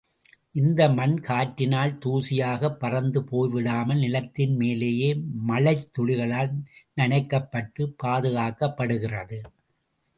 இந்த மண் காற்றினால் தூசியாகப் பறந்து போய்விடாமல் நிலத்தின் மேலேயே மழைத்துளிகளால் நனைக்கப்பட்டுப் பாதுகாக்கப்படுகிறது.